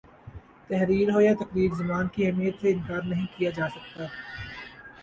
تحریر ہو یا تقریر زبان کی اہمیت سے انکار نہیں کیا جا سکتا